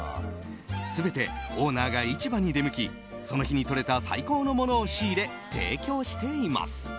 全てオーナーが市場に出向きその日にとれた最高のものを仕入れ、提供しています。